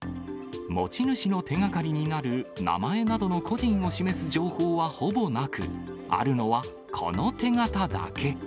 持ち主の手がかりになる名前などの個人を示す情報はほぼなく、あるのはこの手形だけ。